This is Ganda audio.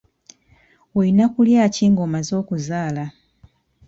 Oyina kulya ki ng'omaze okuzaala?